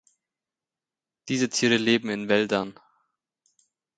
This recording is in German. Diese Tiere leben in Wäldern.